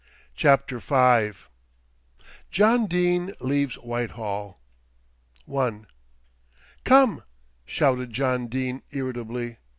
CHAPTER V JOHN DENE LEAVES WHITEHALL I "Come," shouted John Dene irritably.